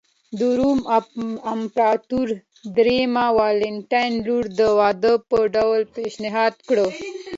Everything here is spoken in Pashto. د روم امپراتور درېیم والنټیناین لور د واده په ډول پېشنهاد کړه